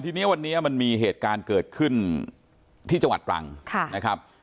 ทีนี้วันนี้มันมีเหตุการณ์เกิดขึ้นที่จังหวัดตรังนะครับ